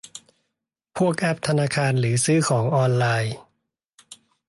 พวกแอปธนาคารหรือซื้อของออนไลน์